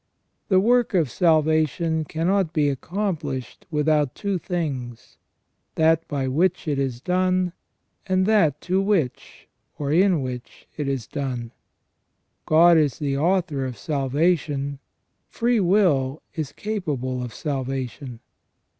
The work of salvation cannot be accomplished without two things — that by which it is done, and that to which, or in which, it is done. God is the author of salvation : free will is capable of salvation.